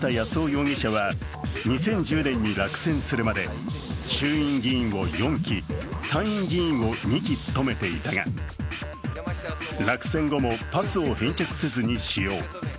容疑者は２０１０年に落選するまで衆院議員を４期、参院議員を２期務めていたが落選後もパスを返却せずに使用。